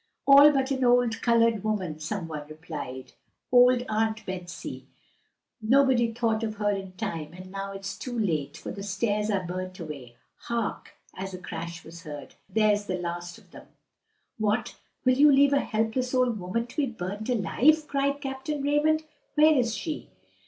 "All but an old colored woman," some one replied, "old Aunt Betsy. Nobody thought of her in time, and now it's too late, for the stairs are burned away. Hark!" as a crash was heard, "there's the last of them." "What! will you leave a helpless old woman to be burnt alive?" cried Captain Raymond. "Where is she?"